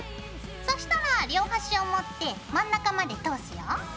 そしたら両端を持って真ん中まで通すよ。